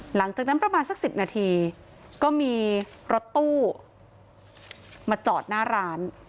หลังจากนั้นประมาณสัก๑๐นาทีก็มีรถตู้มาจอดหน้าร้าน